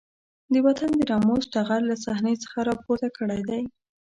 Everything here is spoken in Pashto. د وطن د ناموس ټغر له صحنې څخه راپورته کړی دی.